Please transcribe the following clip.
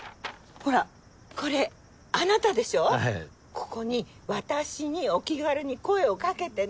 ここに「ワタシにお気軽に声をかけてね！」